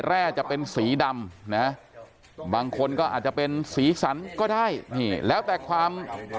แร่จะเป็นสีดำนะบางคนก็อาจจะเป็นสีสันก็ได้นี่แล้วแต่ความ